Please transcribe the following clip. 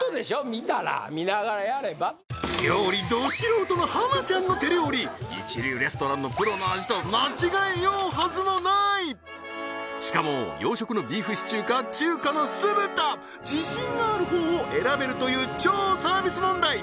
見たら見ながらやれば料理ど素人の浜ちゃんの手料理一流レストランのプロの味と間違えようはずもないしかも洋食のビーフシチューか中華の酢豚自信があるほうを選べるという超サービス問題